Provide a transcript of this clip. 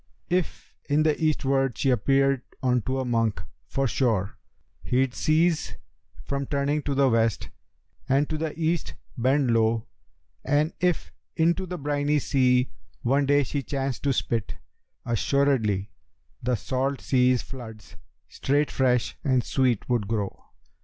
If in the Eastward she appeared unto a monk, for sure, He'd cease from turning to the West and to the East bend low; And if into the briny sea one day she chanced to spit, Assuredly the salt sea's floods straight fresh and sweet would grow.'